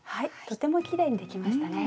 とてもきれいにできましたね。